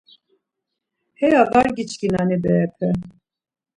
Heya var giçkinani berepe.